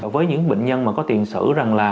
với những bệnh nhân mà có tiền sử rằng là